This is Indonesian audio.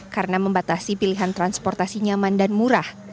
karena membatasi pilihan transportasi nyaman dan murah